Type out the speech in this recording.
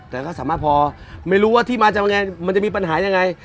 แต่ก็สามารถพอไม่รู้ว่าที่มาทำยังไงมันจะมีปัญหายังไง